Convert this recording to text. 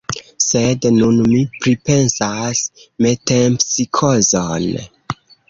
Sed nun mi pripensas metempsikozon.